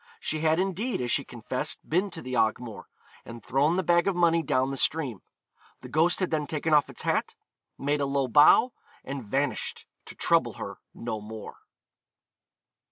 She had indeed, as she confessed, been to the Ogmore, and thrown the bag of money down the stream; the ghost had then taken off its hat, made a low bow, and vanished, to trouble her no more.